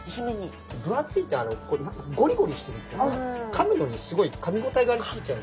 分厚いとゴリゴリしてるっていうかかむのにすごいかみ応えがありすぎちゃうと思うんで。